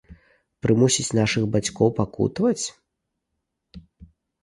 Прымусіць нашых бацькоў пакутаваць?